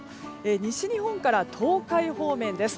西日本から東海方面です。